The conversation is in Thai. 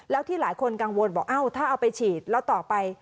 แล้วที่หลายคนกังวลบอกเอ้าถ้าเอาไปฉีดแล้วต่อไป